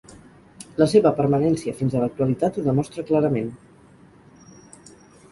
La seva permanència fins a l'actualitat ho demostra clarament.